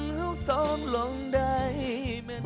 สวัสดีครับ